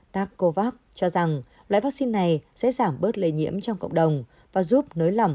tacovax cho rằng loại vaccine này sẽ giảm bớt lây nhiễm trong cộng đồng và giúp nới lỏng